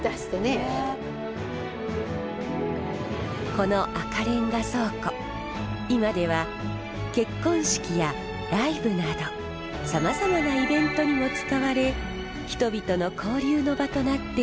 この赤れんが倉庫今では結婚式やライブなどさまざまなイベントにも使われ人々の交流の場となっています。